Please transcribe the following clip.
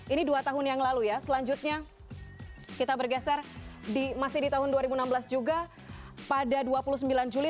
ini dua tahun yang lalu ya selanjutnya kita bergeser masih di tahun dua ribu enam belas juga pada dua puluh sembilan juli